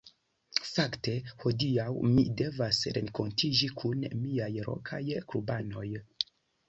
Fakte hodiaŭ mi devas renkontiĝi kun miaj lokaj klubanoj.